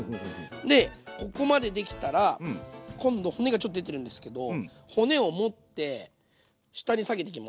でここまでできたら今度骨がちょっと出てるんですけど骨を持って下に下げていきます。